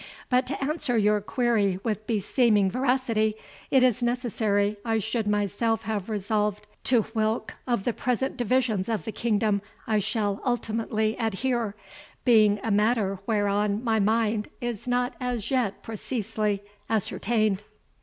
But to answer your query with beseeming veracity, it is necessary I should myself have resolved to whilk of the present divisions of the kingdom I shall ultimately adhere, being a matter whereon my mind is not as yet preceesely ascertained."